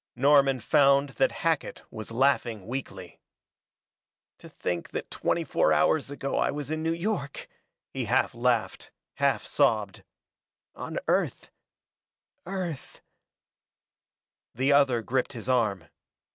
Norman found that Hackett was laughing weakly. "To think that twenty four hours ago I was in New York," he half laughed, half sobbed. "On Earth Earth " The other gripped his arm.